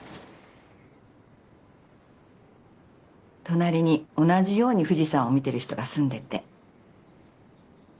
隣に同じように富士山を見てる人が住んでて。